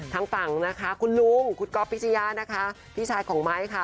ทั้งฝั่งคุณลุงคุณกอฟปิชยาพี่ชายของไมค์